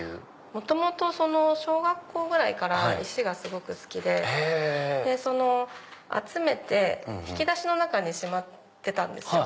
元々小学校ぐらいから石がすごく好きで集めて引き出しの中にしまってたんですよ。